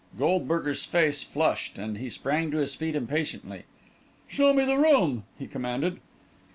Goldberger's face flushed, and he sprang to his feet impatiently. "Show me the room," he commanded.